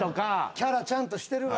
キャラちゃんとしてるわ。